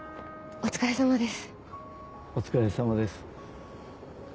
お疲れさまです。